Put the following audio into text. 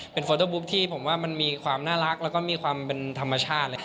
เป็นโฟเตอร์บุ๊คที่ผมว่ามันมีความน่ารักแล้วก็มีความเป็นธรรมชาติ